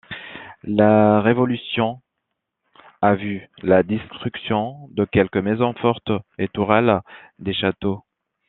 La Révolution a vu la destruction de quelques maisons fortes et tourelles des châteaux.